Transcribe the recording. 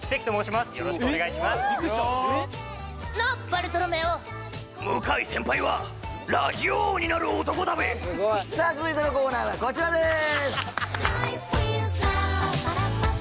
バルトロメオ向井先輩はラジオ王になる男だべさあ続いてのコーナーはこちらです